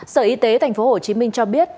sở y tế tp hcm cho biết